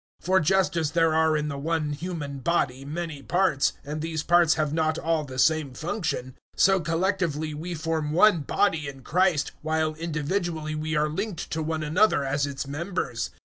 012:004 For just as there are in the one human body many parts, and these parts have not all the same function; 012:005 so collectively we form one body in Christ, while individually we are linked to one another as its members.